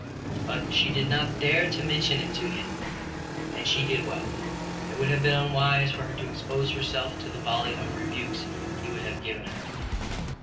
But she did not dare to mention it to him and she did well. It would have been unwise for her to expose herself to the volley of rebukes he would have given her.